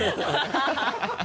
ハハハ